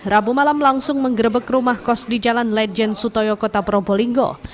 rabu malam langsung menggerebek rumah kos di jalan lejen sutoyo kota probolinggo